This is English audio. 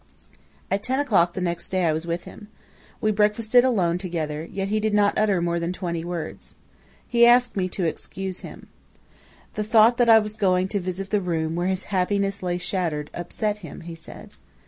"At ten o'clock the next day I was with him. We breakfasted alone together, yet he did not utter more than twenty words. He asked me to excuse him. The thought that I was going to visit the room where his happiness lay shattered, upset him, he said.